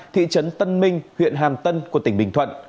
thị trấn tân minh huyện hàm tân của tỉnh bình thuận